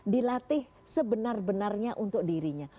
dilatih sebenar benarnya untuk dirinya